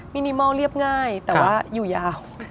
นิมอลเรียบง่ายแต่ว่าอยู่ยาว